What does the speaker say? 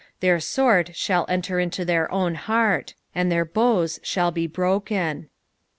15 Their sword shall enter into their own heart, and their bows shall be broken.